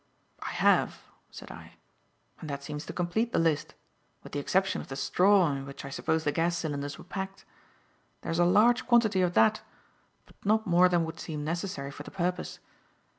"I have," said I; "and that seems to complete the list with the exception of the straw in which I suppose the gas cylinders were packed. There is a large quantity of that, but not more than would seem necessary for the purpose.